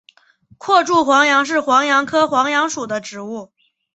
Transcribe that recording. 阔柱黄杨是黄杨科黄杨属的植物。